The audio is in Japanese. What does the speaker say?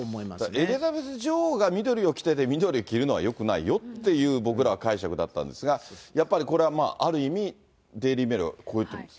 エリザベス女王が緑を着てて、緑着るのはよくないよっていう、僕らは解釈だったんですが、やっぱりこれはまあ、ある意味、デイリー・メールはこういってます。